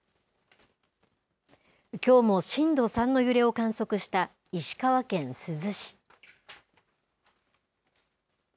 きょうも震度３の揺れを観測した石川県珠洲市。